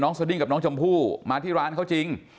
สดิ้งกับน้องชมพู่มาที่ร้านเขาจริง